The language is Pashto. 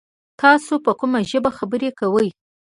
تاسو په کومه ژبه خبري کوی ؟